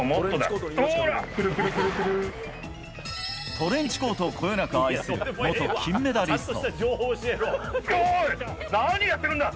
トレンチコートをこよなく愛する元金メダリスト。